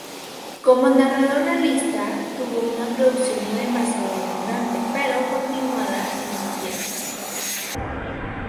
Como narrador realista, tuvo una producción no demasiado abundante, pero, continuada en el tiempo.